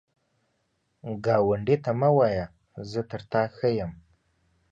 ګاونډي ته مه وایه “زه تر تا ښه یم”